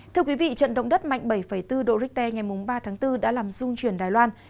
thưa quý vị trận động đất mạnh bảy bốn độ richter ngày ba tháng bốn đã làm dung chuyển đài loan